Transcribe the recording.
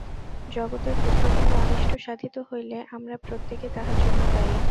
জগতের কোথাও কোন অনিষ্ট সাধিত হইলে আমরা প্রত্যেকে তাহার জন্য দায়ী।